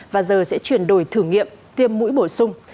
và giờ sẽ chuyển đổi thử nghiệm tiêm mũi bổ sung